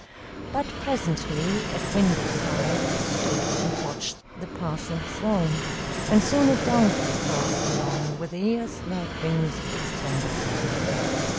But presently at window side We stood and watched the passing throng, And soon a donkey passed along With ears like wings extended wide.